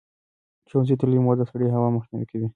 ښوونځې تللې مور د سړې هوا مخنیوی کوي.